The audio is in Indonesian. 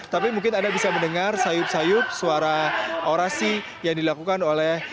tapi mungkin anda bisa mendengar sayup sayup suara orasi yang dilakukan oleh